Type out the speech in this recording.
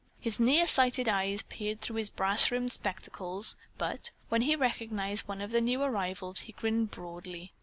His near sighted eyes peered through his brass rimmed spectacles, but, when he recognized one of the new arrivals, he grinned broadly.